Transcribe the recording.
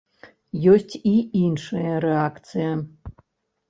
Ёсць і іншая рэакцыя.